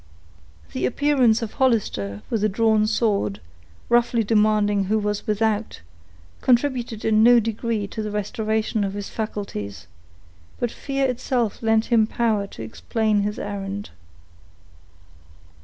The appearance of Hollister with a drawn sword, roughly demanding who was without, contributed in no degree to the restoration of his faculties; but fear itself lent him power to explain his errand.